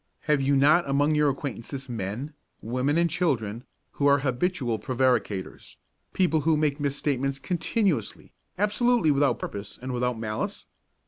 Have you not among your acquaintances men, women and children who are habitual prevaricators, people who make misstatements continuously, absolutely without purpose and without malice?